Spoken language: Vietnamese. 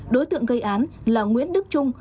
đối tượng gây án là nguyễn đức trung